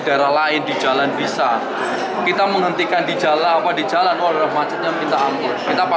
ya sosialisasi sama edukasi juga sama